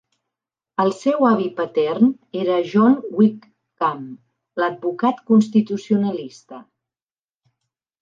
El seu avi patern era John Wickham, l'advocat constitucionalista.